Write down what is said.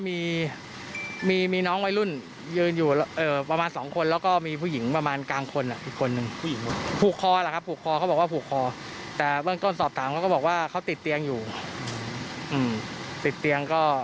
มีโรคประจำตัวอยู่อะไรอย่างงี้